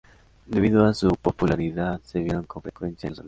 Debido a su popularidad, se vieron con frecuencia en los anuncios.